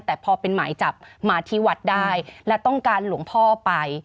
แต่พอเป็นหมายจับมาที่วัดได้และต้องการหลวงพ่อไป